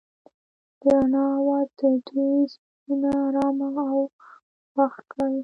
د رڼا اواز د دوی زړونه ارامه او خوښ کړل.